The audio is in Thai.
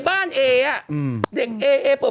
มันเหมือนอ่ะ